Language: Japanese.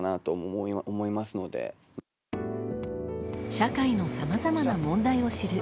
社会のさまざまな問題を知る。